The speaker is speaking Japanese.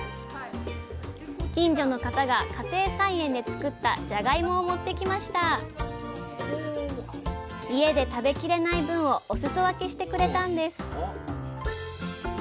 近所の方が家庭菜園で作ったじゃがいもを持って来ました。家で食べきれない分をおすそわけしてくれたんです